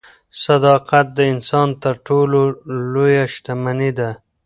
صداقت د انسان تر ټولو لویه شتمني ده.